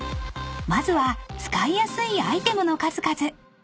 ［まずは使いやすいアイテムの数々］